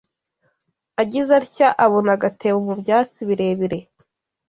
Agize atya abona agatebo mu byatsi birebire